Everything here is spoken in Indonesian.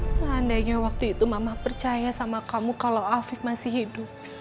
seandainya waktu itu mama percaya sama kamu kalau afif masih hidup